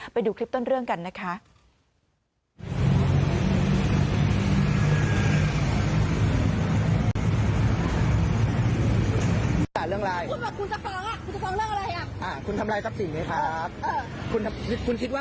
ไปดูคลิปต้นเรื่องกันนะคะ